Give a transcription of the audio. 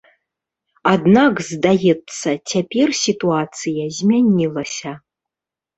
Аднак, здаецца, цяпер сітуацыя змянілася.